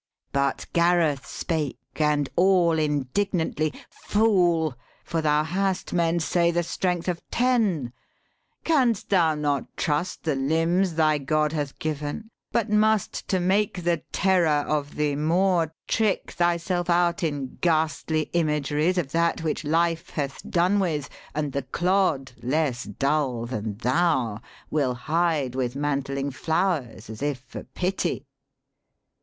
But Gareth spake and all indignantly. ' Fool, for thou hast, men say, the strength of ten, Canst thou not trust the limbs thy God hath given, But must, to make the terror of thee more, Trick thyself out in ghastly imageries Of that which Life hath done with, and the clod, Less dull than thou, will hide with mantling flowers As if for pity?'